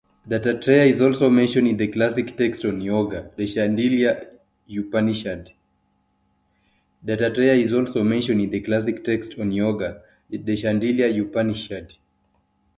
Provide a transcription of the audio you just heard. Dattatreya is also mentioned in the classic text on Yoga, the Shandilya Upanishad.